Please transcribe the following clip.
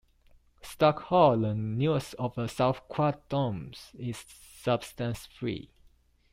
Stark Hall, the newest of the South Quad dorms, is substance-free.